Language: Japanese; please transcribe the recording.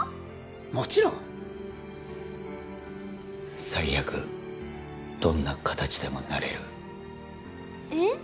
もちろん最悪どんな形でもなれるえっ？